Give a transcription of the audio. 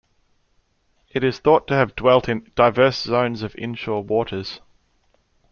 It is thought to have dwelt in diverse zones of inshore waters.